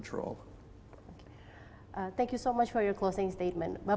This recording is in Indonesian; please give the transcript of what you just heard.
terima kasih banyak banyak untuk ucapan penutup anda